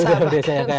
bedul desa ya